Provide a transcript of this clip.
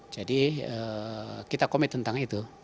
jadi kita komit tentang itu